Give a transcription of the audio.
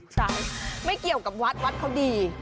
ใช่ไม่เกี่ยวกับวัดวัดเขาดี